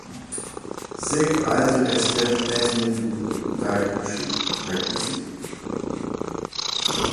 Cik reižu es tev esmu to teikusi?